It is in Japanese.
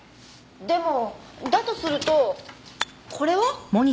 でもだとするとこれは？